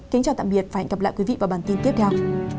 kính chào tạm biệt và hẹn gặp lại quý vị vào bản tin tiếp theo